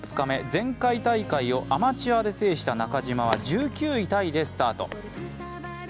前回大会をアマチュアで制した中島は１９位タイでスタート。